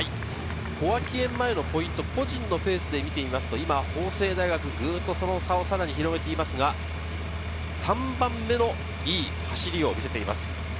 小涌園前のポイント、個人のペースで見てみますと今、法政大学がグッとさらに差を広げていますが、３番目のいい走りを見せています。